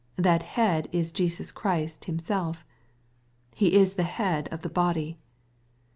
That head is Jesus Christ Himself. « He is the head of the body." (Col.